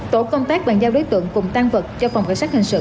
tổ công tác bàn giao đối tượng cùng tan vật cho phòng cảnh sát hình sự